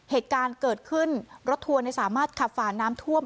เหตุการณ์เกิดขึ้นรถทัวร์สามารถขับฝาน้ำท่วม